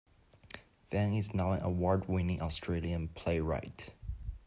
Van is now an award-winning Australian playwright.